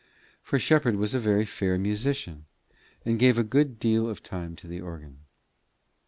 For Shepherd was a very fair musician, and gave a good deal of time to the organ.